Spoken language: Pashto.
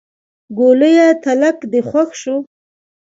ګوليه تلک دې خوښ شو.